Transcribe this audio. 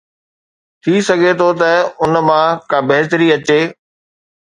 ٿي سگهي ٿو ته ان مان ڪا بهتري اچي.